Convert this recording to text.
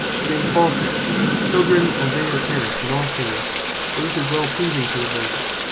St. Paul saith (Col. 3.20.) "Children obey your Parents in all things; for this is well pleasing to the Lord."